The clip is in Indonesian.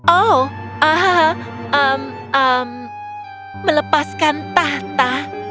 oh melepaskan tahta